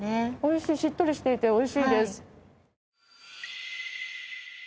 しっとりしていておいしいです。